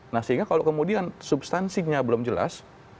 nah sehingga kalau kemudian substansinya belum jelas